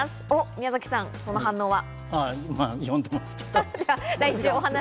宮崎さん、その反応は？